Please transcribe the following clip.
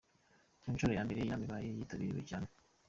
Ku nshuro ya mbere iyi nama ibaye yitabiriwe cyane.